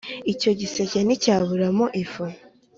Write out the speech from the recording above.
Icyo giseke nticyaburamo ifu